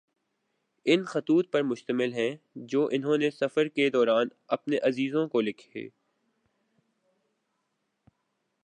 ان خطوط پر مشتمل ہیں جو انھوں نے سفر کے دوران اپنے عزیزوں کو لکھے